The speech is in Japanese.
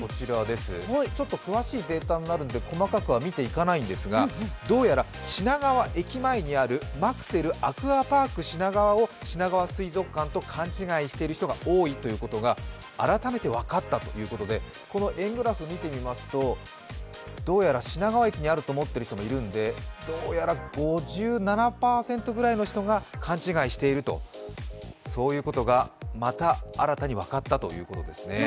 ちょっと詳しいデータになるので細かくは見ていかないんですがどうやら品川駅前にあるマクセルアクアパーク品川をしながわ水族館と勘違いしている人が多いということが改めて分かったということでこの円グラフを見てみますとどうやら品川駅にあると思っている人もいるので、５７％ぐらいの人が勘違いしていると、そういうことがまた新たに分かったということですね。